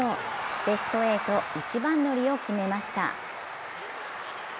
ベスト８一番乗りを決めました。